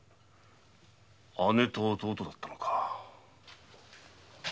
姉と弟だったのか。